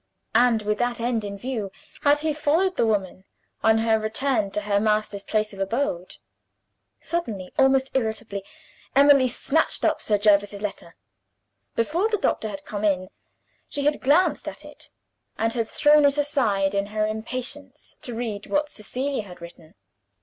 And, with that end in view, had he followed the woman, on her return to her master's place of abode? Suddenly, almost irritably, Emily snatched up Sir Jervis's letter. Before the doctor had come in, she had glanced at it, and had thrown it aside in her impatience to read what Cecilia had written.